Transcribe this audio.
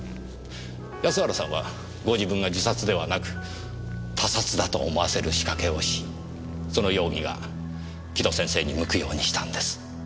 安原さんはご自分が自殺ではなく他殺だと思わせる仕掛けをしその容疑が城戸先生に向くようにしたんです。